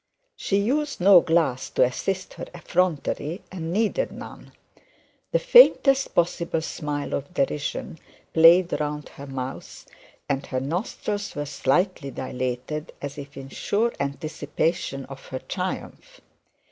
She used no glass to assist her effrontery, and needed none. The faintest possible smile of derision played round her mouth, and her nostrils were slightly dilated, as if in sure anticipation of her triumph.